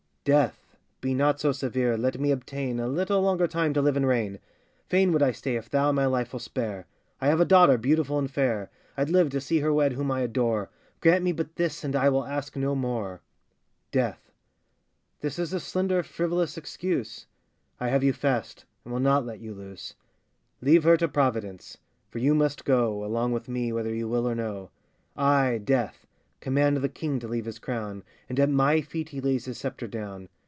Death, be not so severe, let me obtain A little longer time to live and reign! Fain would I stay if thou my life will spare; I have a daughter beautiful and fair, I'd live to see her wed whom I adore: Grant me but this and I will ask no more. DEATH. This is a slender frivolous excuse; I have you fast, and will not let you loose; Leave her to Providence, for you must go Along with me, whether you will or no; I, Death, command the King to leave his crown, And at my feet he lays his sceptre down!